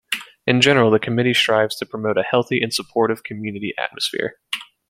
In general, the committee strives to promote a healthy and supportive community atmosphere.